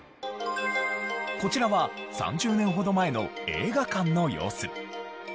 こちらは３０年ほど前の映画館の様子。